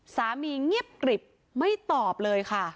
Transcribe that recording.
เงียบกริบไม่ตอบเลยค่ะ